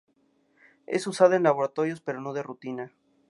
Es usada en laboratorios, pero no de rutina.